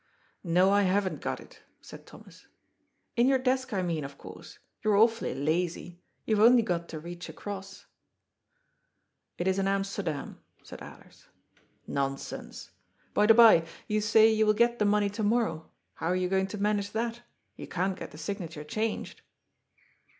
" No, I haven't got it," said Thomas. "In your desk, I mean, of course. You are awfully lazy. You have only got to reach across." " It is in Amsterdam," said Alers. " Nonsense. By the bye, you say you will get the money to morrow. How are you going to manage that? You can't get the signature changed."